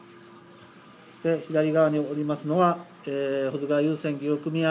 左側におりますのは、保津川遊船企業組合